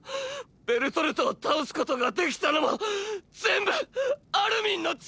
ベルトルトを倒すことができたのも全部アルミンの力だ！！